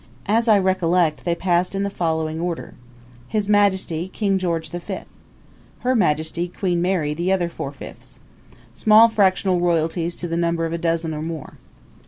As I recollect, they passed in the following order: His Majesty, King George the Fifth. Her Majesty, Queen Mary, the Other Four Fifths. Small fractional royalties to the number of a dozen or more.